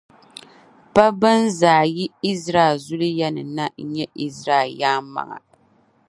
pa bɛn zaa yi Izraɛl zuliya ni na n-nyɛ Izraɛl yaan’ maŋa.